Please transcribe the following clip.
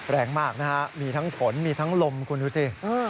แรงมากนะฮะมีทั้งฝนมีทั้งลมคุณดูสิ